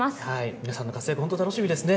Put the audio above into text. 皆さんの活躍、本当に楽しみですね。